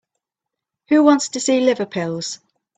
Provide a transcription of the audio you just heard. Who wants to see liver pills?